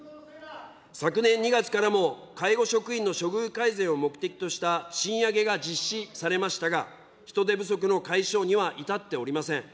昨年２月からも介護職員の処遇改善を目的とした賃上げが実施されましたが、人手不足の解消には至っておりません。